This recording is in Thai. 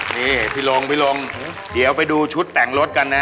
นี่พี่ลงพี่ลงเดี๋ยวไปดูชุดแต่งรถกันนะ